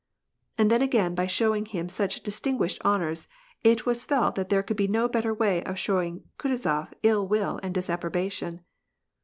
And then again by showing him such distinguished honors, it was felt that there could be no better way of showing Kutuzof ill will and disapprobation.